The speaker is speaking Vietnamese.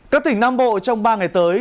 các tỉnh nam bộ trong ba ngày tới